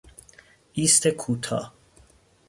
ایست کوتاه